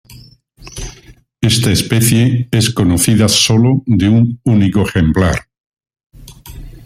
Esta especie es conocida sólo de un único ejemplar.